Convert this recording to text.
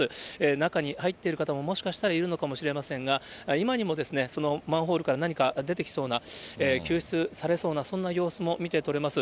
中に入っている方も、もしかしたらいるのかもしれませんが、今にもそのマンホールから何か出てきそうな、救出されそうな、そんな様子も見て取れます。